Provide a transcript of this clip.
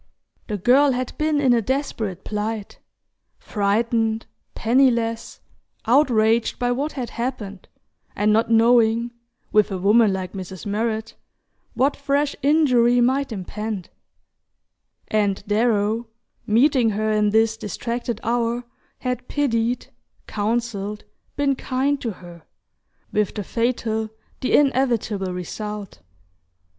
The girl had been in a desperate plight frightened, penniless, outraged by what had happened, and not knowing (with a woman like Mrs. Murrett) what fresh injury might impend; and Darrow, meeting her in this distracted hour, had pitied, counselled, been kind to her, with the fatal, the inevitable result.